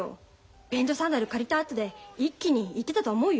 便所サンダル借りたあとで一気にいってたと思うよ。